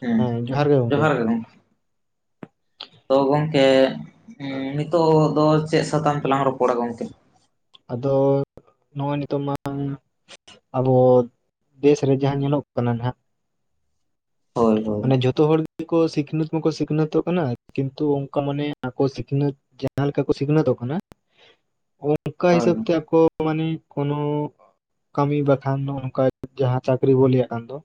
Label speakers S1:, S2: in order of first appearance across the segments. S1: ᱦᱮᱸ ᱡᱚᱦᱟᱨ ᱜᱮ ᱜᱚᱢᱠᱮ᱾ ᱛᱚ ᱜᱚᱝᱠᱮ ᱦᱩᱸ ᱱᱤᱛᱚᱜ ᱫᱚ ᱪᱮᱫ ᱥᱟᱛᱟᱢ ᱛᱮᱞᱟᱝ ᱨᱚᱯᱚᱲᱟ ᱜᱚᱝᱠᱮ?
S2: ᱟᱫᱚ ᱱᱚᱜᱼᱚᱭ ᱱᱤᱛᱚᱜ ᱢᱟ ᱟᱵᱚ ᱫᱮᱥ ᱨᱮ ᱦᱟᱸᱜ ᱧᱮᱞᱚᱜ ᱠᱟᱱᱟ ᱱᱟᱦᱟᱸᱜ
S1: ᱦᱳᱭ ᱦᱳᱭ
S2: ᱢᱟᱱᱮ ᱡᱷᱚᱛᱚ ᱦᱚᱲ ᱜᱮᱠᱚ ᱥᱤᱠᱷᱱᱟᱹᱛ ᱢᱟᱠᱚ ᱥᱤᱠᱷᱱᱟᱹᱛᱚᱜ ᱠᱟᱱᱟ ᱠᱤᱱᱛᱩ ᱚᱱᱠᱟ ᱢᱟᱱᱮ ᱟᱠᱚ ᱥᱤᱠᱷᱱᱟᱹᱛ ᱡᱟᱦᱟᱸ ᱞᱮᱠᱟ ᱠᱚ ᱥᱤᱠᱷᱱᱟᱹᱛᱚᱜ ᱠᱟᱱᱟ ᱚᱱᱠᱟ
S1: ᱦᱳᱭ
S2: ᱦᱤᱥᱟᱹᱵ ᱛᱮ ᱟᱠᱚ [unintelligible] ᱠᱳᱱᱚ ᱠᱟᱹᱢᱤ ᱵᱟᱠᱷᱟᱱ ᱫᱚ ᱚᱱᱠᱟ ᱡᱟᱦᱟᱸ ᱪᱟᱹᱠᱨᱤ ᱵᱚᱱ ᱞᱟᱹᱭᱟᱜ ᱠᱟᱱ ᱫᱚ,